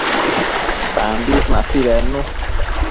Tambis mapi bednu